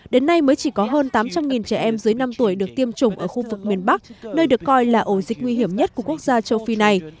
đến nay mới chỉ có hơn tám trăm linh trẻ em dưới năm tuổi được tiêm chủng ở khu vực miền bắc nơi được coi là ổ dịch nguy hiểm nhất của quốc gia châu phi này